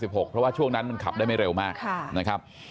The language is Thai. เพราะว่าช่วงนั้นมันขับได้ไม่เร็วมากนะครับ